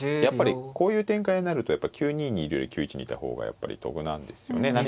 やっぱりこういう展開になると９二にいるより９一にいた方がやっぱり得なんですよね。